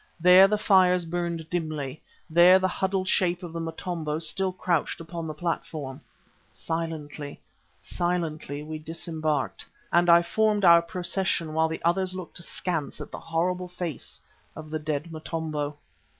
There the fires burned dimly, there the huddled shape of the Motombo still crouched upon the platform. Silently, silently we disembarked, and I formed our procession while the others looked askance at the horrible face of the dead Motombo.